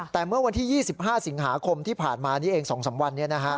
แต่เมื่อวันที่๒๕สิงหาคมที่ผ่านมานี้เอง๒๓วันนี้